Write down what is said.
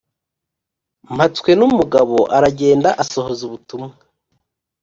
mpatswenumugabo aragenda asohoza ubutumwa.